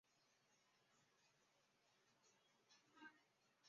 灰里白为里白科里白属下的一个种。